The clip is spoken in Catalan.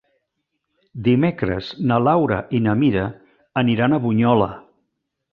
Dimecres na Laura i na Mira aniran a Bunyola.